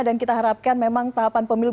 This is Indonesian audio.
dan kita harapkan memang tahapan pemilu